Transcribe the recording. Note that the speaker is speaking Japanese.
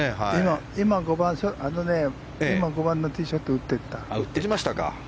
５番のティーショットを打っていった。